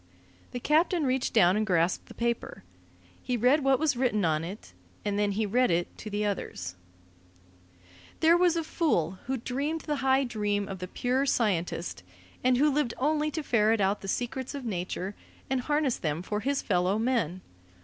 The captain reached down and grasped the paper. He read what was written on it, and then he read it to the others: There was a fool who dreamed the high dream of the pure scientist, and who lived only to ferret out the secrets of nature, and harness them for his fellow men.